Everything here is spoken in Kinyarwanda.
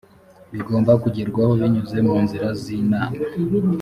bigomba kugerwaho binyuze mu nzira z’inama